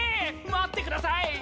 待ってください！